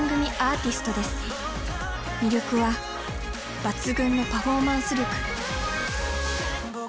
魅力は抜群のパフォーマンス力。